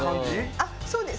あっそうです。